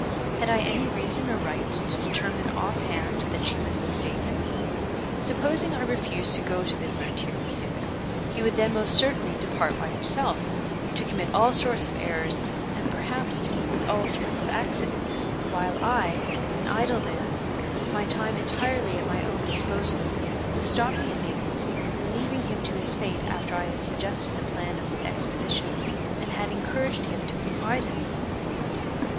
Had I any reason or right to determine offhand that she was mistaken? Supposing I refused to go to the frontier with him, he would then most certainly depart by himself, to commit all sorts of errors, and perhaps to meet with all sorts of accidents; while I, an idle man, with my time entirely at my own disposal, was stopping at Naples, and leaving him to his fate after I had suggested the plan of his expedition, and had encouraged him to confide in me.